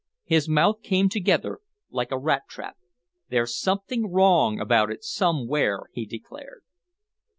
His mouth came together like a rat trap. "There's something wrong about it somewhere," he declared.